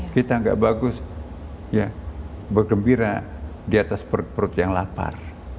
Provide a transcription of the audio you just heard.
kita nggak bagus bergembira di atas perut perut yang lapar